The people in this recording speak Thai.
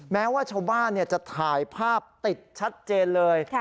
แม้ว่าชาวบ้านจะถ่ายภาพติดชัดเจนเลย